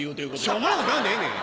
しょうもないこと言わんでええねん！